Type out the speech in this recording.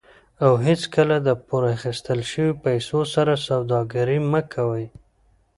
او هیڅکله د پور اخیستل شوي پیسو سره سوداګري مه کوئ.